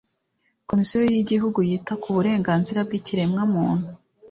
komisiyo y'igihugu yita ku burenganzira bw'ikiremwamuntu